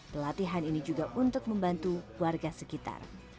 pelatihan ini juga untuk membantu warga sekitar